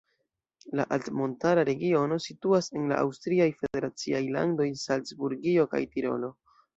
La altmontara regiono situas en la aŭstriaj federaciaj landoj Salcburgio kaj Tirolo.